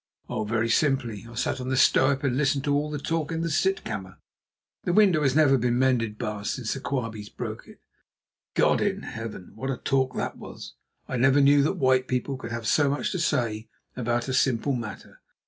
Oh, very simply. I sat on the stoep and listened to all the talk in the sitkammer. The window has never been mended, baas, since the Quabies broke it. God in Heaven! what a talk that was. I never knew that white people could have so much to say about a simple matter.